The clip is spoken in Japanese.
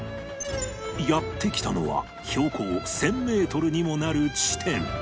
やって来たのは標高１０００メートルにもなる地点